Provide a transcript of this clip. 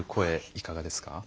いかがですか？